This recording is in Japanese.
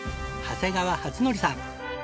長谷川初範さん。